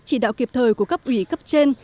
chỉ đạo kịp thời của cấp ủy cấp trên